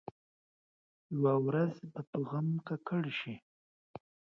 یوه ورځ به په غم ککړ شي.